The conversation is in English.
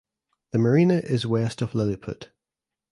The marina is west of Lilliput.